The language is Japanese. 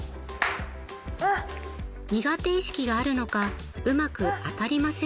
苦手意識があるのかうまく当たりません。